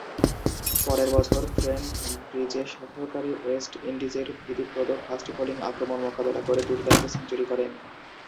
পরের বছর ট্রেন্ট ব্রিজে সফরকারী ওয়েস্ট ইন্ডিজের ভীতিপ্রদ ফাস্ট-বোলিং আক্রমণ মোকাবেলা করে দূর্দান্ত সেঞ্চুরি করেন।